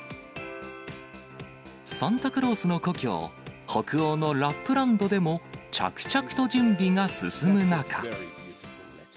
サンタクロースの故郷、北欧のラップランドでも、着々と準備が進む中。